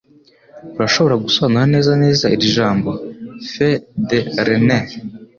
Urashobora gusobanura neza neza iri jambo? (FeuDRenais)